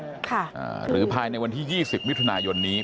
สอนให้เร็วที่สุดค่ะอ่าหรือภายในวันที่ยี่สิบมิถุนายนนี้